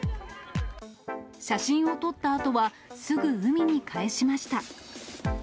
写真を撮ったあとは、すぐ海に返しました。